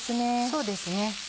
そうですね。